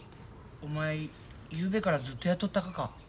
お前ゆうべからずっとやっとったがか？